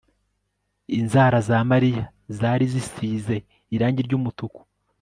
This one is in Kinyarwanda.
Inzara za Mariya zari zisize irangi ryumutuku